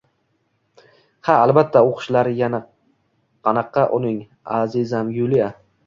Ha, albatta… Oʻqishlari qanaqa uning, azizam Yuliya?